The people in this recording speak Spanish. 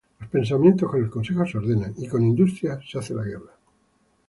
Los pensamientos con el consejo se ordenan: Y con industria se hace la guerra.